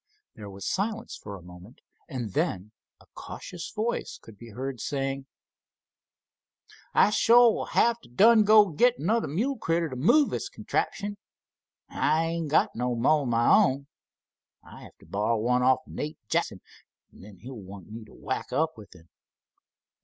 There was silence for a moment, and then a cautious voice could be heard saying: "I suah will have t' done go an' git another mule critter t' move this contraption. An' I ain't got no mo' of my own. I'll have to borrow one off Nate Jackson, an' then he'll want me t' whack up with him.